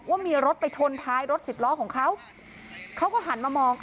ว่ามีรถไปชนท้ายรถสิบล้อของเขาเขาก็หันมามอง